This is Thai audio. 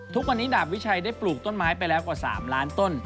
ทุกวันนี้ดาบวิชัยได้ปลูกต้นไม้ไปแล้วกว่า๓ล้านต้น